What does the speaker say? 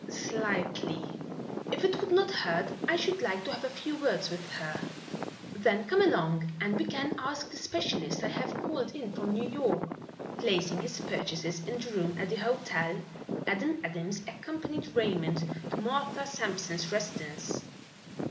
"Slightly." "If it would not hurt, I should like to have a few words with her." "Then come along and we can ask the specialist I have called in from New York." Placing his purchases in the room at the hotel, Adam Adams accompanied Raymond to Martha Sampson's residence.